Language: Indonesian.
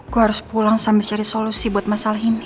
gue harus pulang sambil cari solusi buat masalah ini